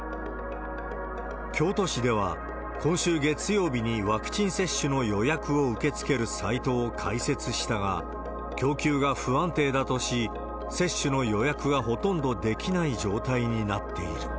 京都市では、今週月曜日にワクチン接種の予約を受け付けるサイトを開設したが、供給が不安定だとし、接種の予約がほとんどできない状態になっている。